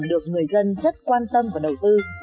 được người dân rất quan tâm và đầu tư